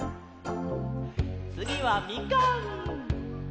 つぎは「みかん」！